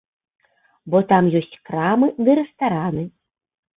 Бо там ёсць крамы ды рэстараны.